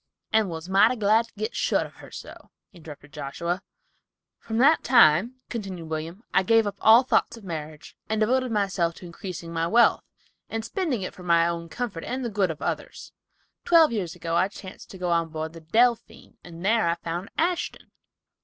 "And was mighty glad to get shut of her so," interrupted Joshua. "From that time," continued William, "I gave up all thoughts of marriage, and devoted myself to increasing my wealth, and spending it for my own comfort and the good of others. Twelve years ago I chanced to go on board the Delphine, and there I found Ashton."